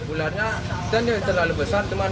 ularnya dan yang terlalu besar teman panjang